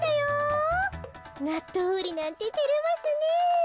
なっとううりなんててれますねえ。